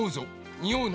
におうな。